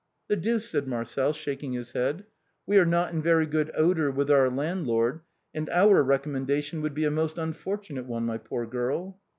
" The deuce !" said Marcel, shaking his head, " we are not in very good odor with our landlord and our recom mendation would be a most unfortunate one, my poor girl."